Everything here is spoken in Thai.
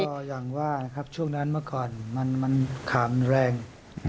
ก็อย่างว่านะครับช่วงนั้นเมื่อก่อนมันขาดมันแรง